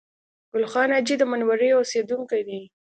ګل خان حاجي د منورې اوسېدونکی دی